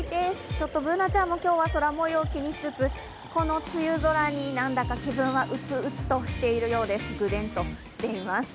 ちょっとＢｏｏｎａちゃんは今日は空もよう、気にしつつこの梅雨空になんだか気分は鬱々としているようです、ぐでんとしています。